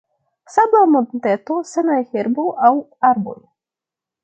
Sabla monteto sen herbo aŭ arboj.